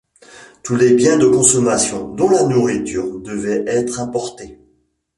Tous les biens de consommation, dont la nourriture, devaient être importés.